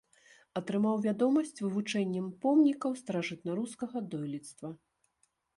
Атрымаў вядомасць вывучэннем помнікаў старажытнарускага дойлідства.